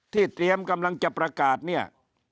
เตรียมกำลังจะประกาศเนี่ย